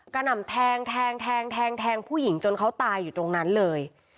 หน่ำแทงแทงแทงผู้หญิงจนเขาตายอยู่ตรงนั้นเลย